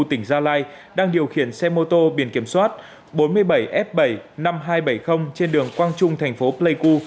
tỉnh gia lai đang điều khiển xe mô tô biển kiểm soát bốn mươi bảy f bảy mươi năm nghìn hai trăm bảy mươi trên đường quang trung thành phố pleiku